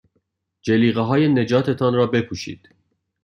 جلیقههای نجات تان را بپوشید.